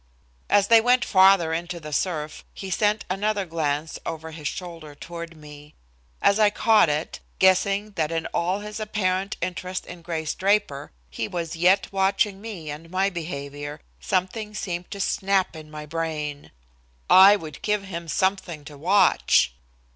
As they went farther into the surf, he sent another glance over his shoulder toward me. As I caught it, guessing that in all his apparent interest in Grace Draper he was yet watching me and my behavior, something seemed to snap in my brain. I would give him something to watch!